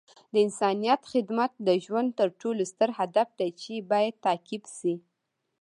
د انسانیت خدمت د ژوند تر ټولو ستر هدف دی چې باید تعقیب شي.